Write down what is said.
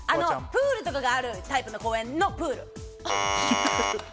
プールとかがあるタイプの公園のプール。